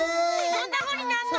そんなふうになんの？